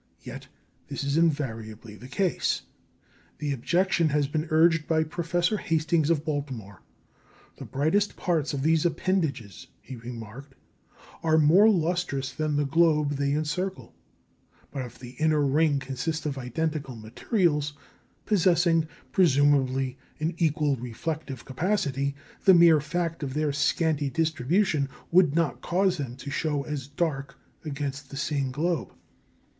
Yet this is invariably the case. The objection has been urged by Professor Hastings of Baltimore. The brightest parts of these appendages, he remarked, are more lustrous than the globe they encircle; but if the inner ring consists of identical materials, possessing presumably an equal reflective capacity, the mere fact of their scanty distribution would not cause them to show as dark against the same globe.